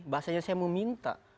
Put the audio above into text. bahasanya saya mau minta